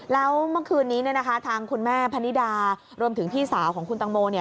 แล้วเมื่อคืนนี้ทางคุณแม่พนิดารวมถึงพี่สาวของคุณตังโม